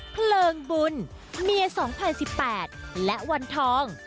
เพลิงบุญเมียสองพันสิบแปดและวันทอง